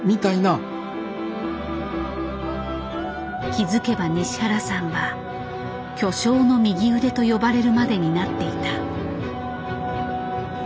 気付けば西原さんは巨匠の右腕と呼ばれるまでになっていた。